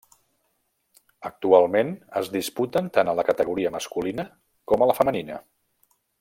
Actualment es disputen tant a la categoria masculina com a la femenina.